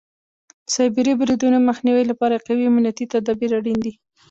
د سایبري بریدونو مخنیوي لپاره قوي امنیتي تدابیر اړین دي.